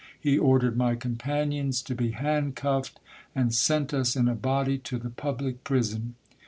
He ordered my companions to be handcuffed, and sent us in a body to the public prison.